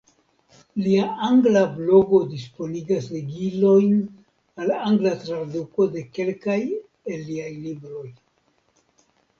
Lia angla blogo disponigas ligilojn al angla traduko de kelkaj el liaj libroj.